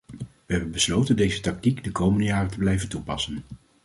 We hebben besloten deze tactiek de komende jaren te blijven toepassen.